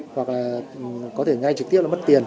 hoặc là có thể ngay trực tiếp là mất tiền